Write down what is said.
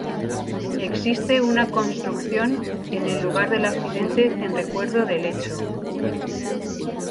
Existe una construcción el el lugar del accidente en recuerdo del hecho.